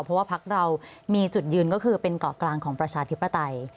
เพราะว่าพักเรามีจุดยืนก็คือเป็นเกาะกลางของประชาธิปไตย